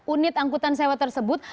unit angkutan sewa tersebut